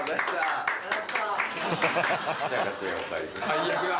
最悪だ。